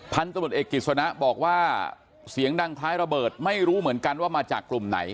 ตำรวจเอกกิจสนะบอกว่าเสียงดังคล้ายระเบิดไม่รู้เหมือนกันว่ามาจากกลุ่มไหน